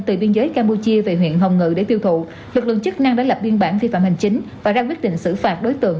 từ biên giới campuchia về huyện hồng ngự để tiêu thụ lực lượng chức năng đã lập biên bản vi phạm hành chính và ra quyết định xử phạt đối tượng